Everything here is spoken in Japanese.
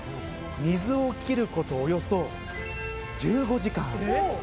水を切ることおよそ１５時間。